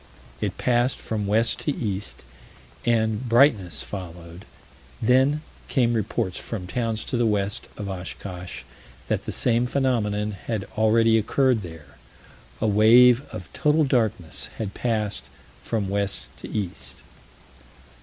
It passed from west to east, and brightness followed: then came reports from towns to the west of Oshkosh: that the same phenomenon had already occurred there. A "wave of total darkness" had passed from west to east.